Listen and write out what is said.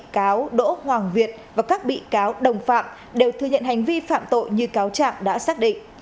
bị cáo đỗ hoàng việt và các bị cáo đồng phạm đều thừa nhận hành vi phạm tội như cáo trạng đã xác định